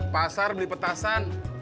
pasar beli petasan